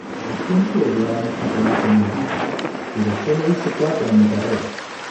La gente odiaba mis papeles de maldita, pero solo hice cuatro en mi carrera.